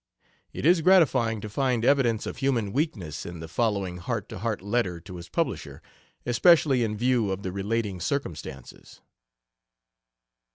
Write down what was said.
It is gratifying to find evidence of human weakness in the following heart to heart letter to his publisher, especially in view of the relating circumstances.